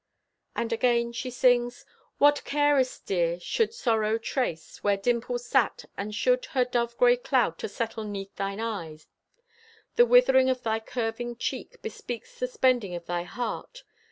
And again she sings: What carest, dear, should sorrow trace Where dimples sat, and should Her dove gray cloud to settle 'neath thine eye? The withering of thy curving cheek Bespeaks the spending of thy heart.